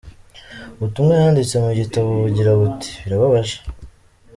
Ubutumwa yanditse mu gitabo bugira buti “”Birababaje.